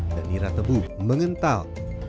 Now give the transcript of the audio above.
dan nira tebu mengental